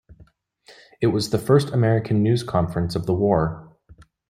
It was the first American news conference of the war.